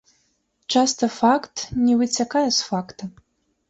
Часта факт не выцякае з факта.